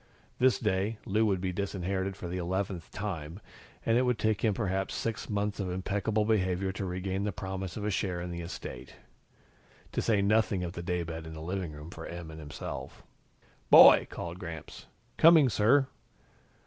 This day, Lou would be disinherited for the eleventh time, and it would take him perhaps six months of impeccable behavior to regain the promise of a share in the estate. To say nothing of the daybed in the living room for Em and himself. "Boy!" called Gramps. "Coming, sir."